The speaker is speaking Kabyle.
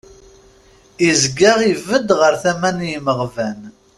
Izga ibedd ɣer tama n yimaɣban.